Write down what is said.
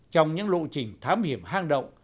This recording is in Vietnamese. trong những lộ trình thám hiểm hang động